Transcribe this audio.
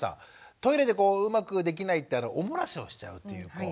トイレでうまくできないお漏らしをしちゃうという子。